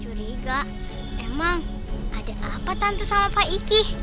curiga emang ada apa tante sama pak icih